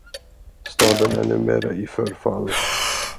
Staden är numera i förfall.